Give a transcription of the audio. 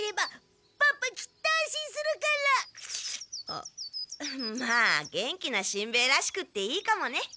あまあ元気なしんベヱらしくっていいかもね。